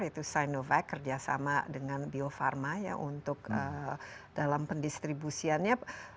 yaitu sinovac kerjasama dengan bio farma ya untuk dalam pendistribusiannya